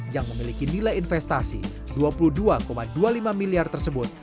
yang memiliki nilai investasi dua puluh dua dua puluh lima miliar tersebut